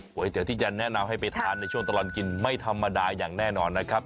๋วเตี๋ยที่จะแนะนำให้ไปทานในช่วงตลอดกินไม่ธรรมดาอย่างแน่นอนนะครับ